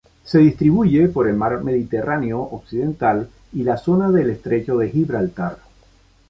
Se distribuye por el mar Mediterráneo occidental y la zona del estrecho de Gibraltar.